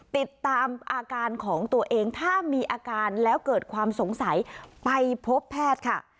ติดตามอาการของตัวเองถ้ามีอาการแล้วเกิดความสงสัยไปพบแพทย์ค่ะ